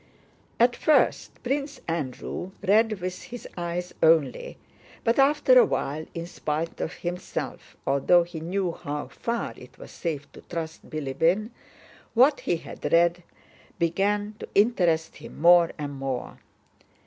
At first Prince Andrew read with his eyes only, but after a while, in spite of himself (although he knew how far it was safe to trust Bilíbin), what he had read began to interest him more and more.